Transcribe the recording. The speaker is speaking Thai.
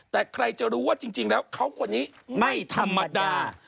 แต่ใครจะรู้ว่าจริงแล้วเขาคนนี้ไม่ธรรมดา